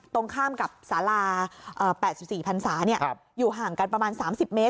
ตรงข้ามกับสารา๘๔พันศาอยู่ห่างกันประมาณ๓๐เมตร